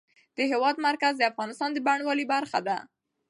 د هېواد مرکز د افغانستان د بڼوالۍ برخه ده.